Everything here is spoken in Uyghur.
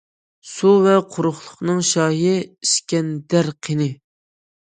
سۇ ۋە قۇرۇقلۇقنىڭ شاھى ئىسكەندەر قېنى؟!